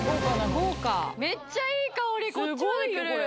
・メッチャいい香りこっちまで来る・